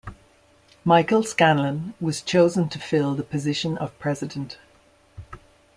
Michael Scanlan was chosen to fill the position of president.